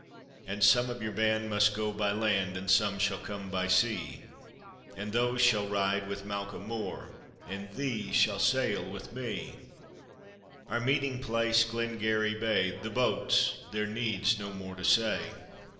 "And some of your band must go by land, And some shall come by sea; And those shall ride with Malcolm Mor, And these shall sail with me; Our meeting place Glengarry Bay: The boats, there needs no more to say."